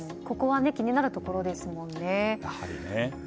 ここは気になるところですよね。